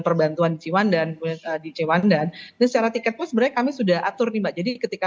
perbantuan cewandan di cewandan secara tiketnya sebenarnya kami sudah atur nih mbak jadi ketika